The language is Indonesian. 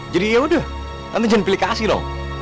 jadi yaudah tante jangan pilih kasih lho